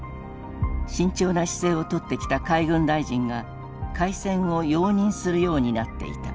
慎重な姿勢をとってきた海軍大臣が開戦を容認するようになっていた。